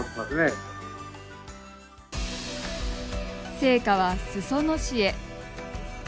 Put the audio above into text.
聖火は裾野市へ。